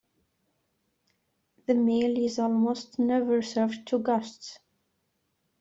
The meal is almost never served to guests.